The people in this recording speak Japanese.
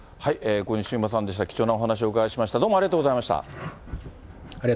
小西遊馬さんでした、貴重なお話をお伺いしました、ありがとうございました。